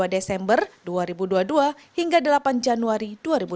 dua puluh desember dua ribu dua puluh dua hingga delapan januari dua ribu dua puluh